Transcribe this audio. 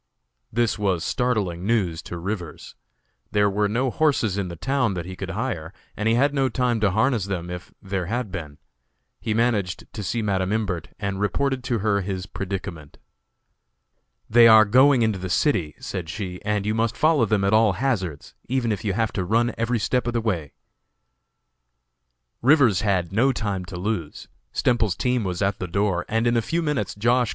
This was startling news to Rivers. There were no horses in the town that he could hire, and he had no time to harness them if there had been. He managed to see Madam Imbert, and reported to her his predicament. "They are going into the city," said she, "and you must follow them at all hazards, even if you have to run every step of the way." Rivers had no time to lose. Stemples's team was at the door, and in a few minutes Josh.